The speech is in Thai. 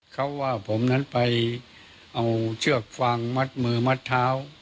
เขาว่าผมนั้นไปเอาเชือกฟางมัดมือมัดเท้า